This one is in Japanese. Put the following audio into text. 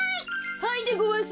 はいでごわす。